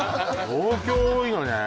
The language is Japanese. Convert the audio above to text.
東京多いのね